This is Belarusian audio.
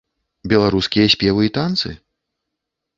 Беларускія спевы і танцы?